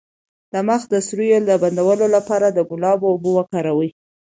د مخ د سوریو د بندولو لپاره د ګلاب اوبه وکاروئ